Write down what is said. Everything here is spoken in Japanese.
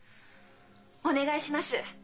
お願いします！